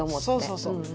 そうそうそう。